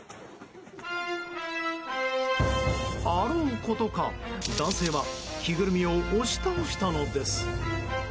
あろうことか、男性は着ぐるみを押し倒したのです。